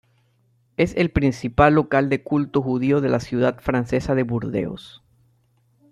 Es el principal local de culto judío de la ciudad francesa de Burdeos.